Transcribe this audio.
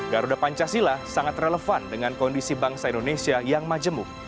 garuda pancasila sangat relevan dengan kondisi bangsa indonesia yang majemuk